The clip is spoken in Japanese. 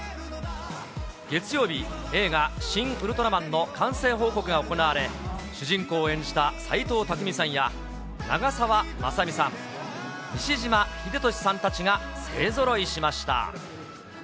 月曜日、映画、シン・ウルトラマンの完成報告が行われ、主人公を演じた斎藤工さんや長澤まさみさん、西島秀俊さんたちが勢ぞろいしました。